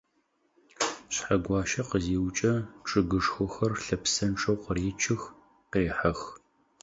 Шъхьэгуащэ къызиукӏэ, чъыгышхохэр лъэпсэнчъэу къыречых, къехьых.